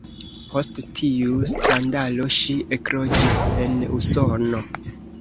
Post tiu skandalo ŝi ekloĝis en Usono.